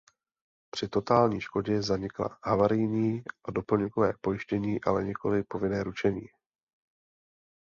Při totální škodě zaniká havarijní a doplňkové pojištění ale nikoli povinné ručení.